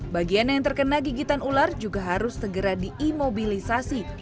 bagian yang terkena gigitan ular juga harus segera diimobilisasi